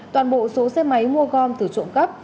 toàn bộ số xe máy mua gom từ trộm cắp